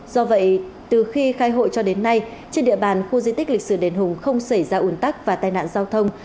do vậy từ khi khai hội cho đến nay trên địa bàn khu di tích lịch sử đền hùng không xảy ra ủn tắc và tai nạn giao thông